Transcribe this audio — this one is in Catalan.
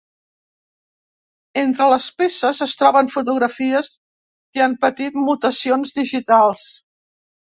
Entre les peces es troben fotografies que han patit mutacions digitals.